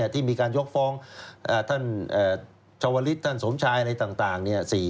ที่มีการยกฟ้องท่านชาวลิศท่านสมชายอะไรต่าง